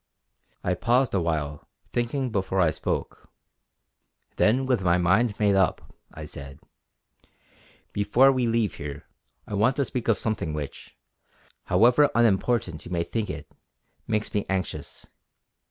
I paused a while thinking before I spoke. Then with my mind made up I said: "Before we leave here I want to speak of something which, however unimportant you may think it, makes me anxious.